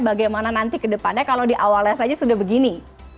bagaimana nanti kedepannya kalau di awalnya saja sudah begini